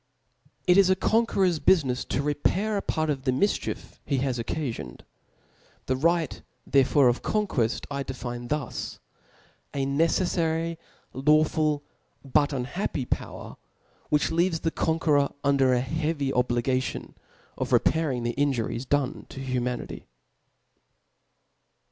It is a conqueror's biifinefs to repair a part of the miichief he to occifioned. The rijght thero Ibre 6f co'iiqueft I define thus : a nece*fikry, )aw jRil^ but iH^iappy power, which leaves the con ^iklror under a heavy obligation of repahihg the ^Juries dotne to humanity.